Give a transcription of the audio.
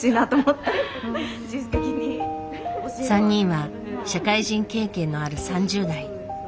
３人は社会人経験のある３０代。